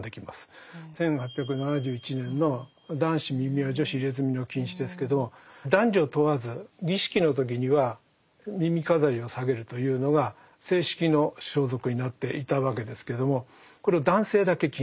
１８７１年の「男子耳輪・女子入墨の禁止」ですけど男女を問わず儀式の時には耳飾りをさげるというのが正式の装束になっていたわけですけれどもこれを何で男性だけ？